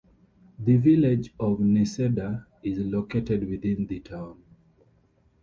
The Village of Necedah is located within the town.